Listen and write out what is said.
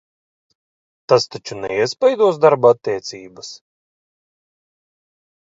Tas taču neiespaidos darba attiecības?